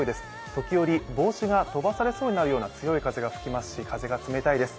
時折帽子が飛ばされそうになるような強い風が吹きますし風が冷たいです。